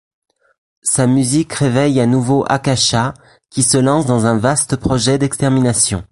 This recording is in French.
Sa musique réveille à nouveau Akasha qui se lance dans un vaste projet d’extermination.